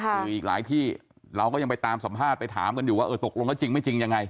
คืออีกหลายที่เราก็ยังไปตามสัมภาษณ์ไปถามกันอยู่ว่าเออตกลงแล้วจริงไม่จริงยังไง